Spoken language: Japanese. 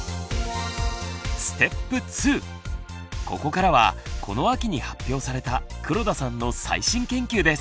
ここからはこの秋に発表された黒田さんの最新研究です。